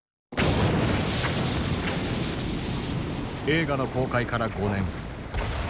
映画の公開から５年。